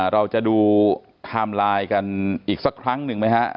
เราจะดูแถมลายกันอีกสักครั้งหนึ่งมั้ยฮะ